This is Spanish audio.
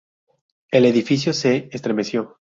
El edificio se estremeció.